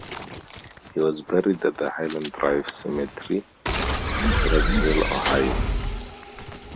He was buried at Highland Drive Cemetery, Brecksville, Ohio.